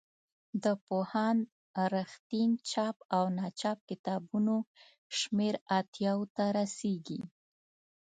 د پوهاند رښتین چاپ او ناچاپ کتابونو شمېر اتیاوو ته رسیږي.